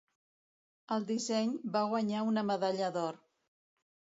El disseny va guanyar una medalla d'or.